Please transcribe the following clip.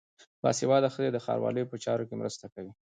باسواده ښځې د ښاروالۍ په چارو کې مرسته کوي.